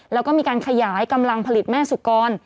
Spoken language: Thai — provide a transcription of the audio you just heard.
แล้วก็มีการขยายกำลังผลิตแม่สุกร